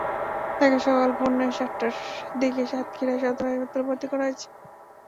তাঁকে সকাল পৌনে সাতটার দিকে সাতক্ষীরা সদর হাসপাতালে ভর্তি করা হয়েছে।